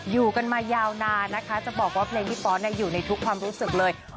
อยู่กันมายาวนานนะคะจะบอกว่าเพลงพี่ป๊อตอยู่ในทุกความรู้สึกเลย